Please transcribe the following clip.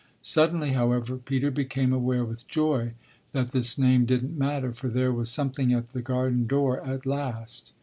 Suddenly, however, Peter became aware with joy that this name didn't matter, for there was something at the garden door at last.